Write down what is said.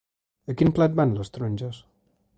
A quin plat van les taronges?